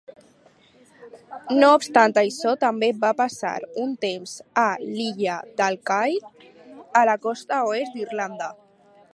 No obstant això, també va passar un temps a l'illa d'Acaill, a la costa oest d'Irlanda.